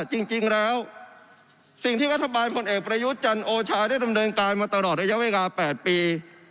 จริงแล้วสิ่งที่วัฒนธรรมปองเอกประยุจชันโอชาได้ทำเงินการมาตลอดดัยเวลา๘ปี